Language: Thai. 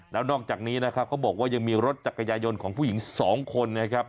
แล้วนอกจากนี้นะครับเขาบอกว่ายังมีรถจักรยายนต์ของผู้หญิงสองคนนะครับ